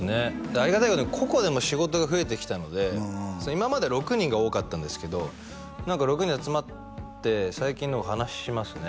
ありがたいけど個々でも仕事が増えてきたので今まで６人が多かったんですけど何か６人で集まって最近でも話しますね